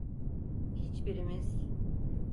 Hiçbirimiz…